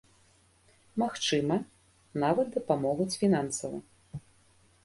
Магчыма, нават дапамогуць фінансава.